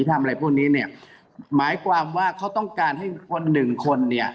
ทำอะไรพวกนี้เนี่ยหมายความว่าเขาต้องการให้คนหนึ่งคนเนี่ย